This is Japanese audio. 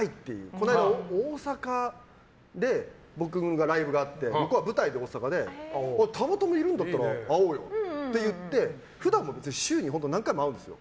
この間、大阪で僕がライブがあって向こうは舞台で大阪でたまたまいるんだったら会おうよって言って普段も別に週に何回も会うんですよ。